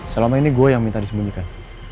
selama ini gue yang minta disembunyikan